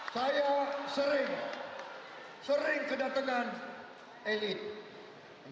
saya sering sering kedatangan elit